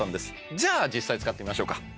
じゃあ実際使ってみましょうか